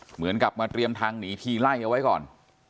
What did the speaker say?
เหมือนกับมาเตรียมทางหนีทีไล่เอาไว้ก่อน